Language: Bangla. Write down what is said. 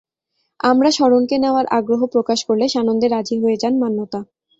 আমরা শরণকে নেওয়ার আগ্রহ প্রকাশ করলে সানন্দে রাজি হয়ে যান মান্যতা।